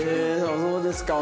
そうですか。